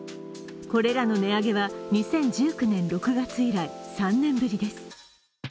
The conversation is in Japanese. これらの値上げは２０１９年６月以来３年ぶりです。